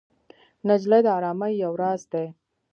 نجلۍ د ارامۍ یو راز دی.